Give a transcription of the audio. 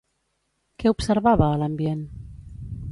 Què observava a l'ambient?